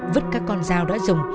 vứt các con dao đã dùng